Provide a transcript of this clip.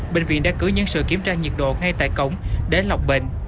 bệnh viện đã cử nhân sự kiểm tra nhiệt độ ngay tại cổng để lọc bệnh